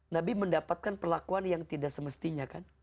nabi mendapatkan perlakuan yang tidak semestinya kan